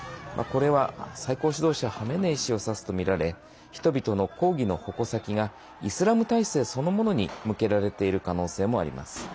これは、最高指導者ハメネイ師を指すとみられ人々の抗議の矛先がイスラム体制そのものに向けられている可能性もあります。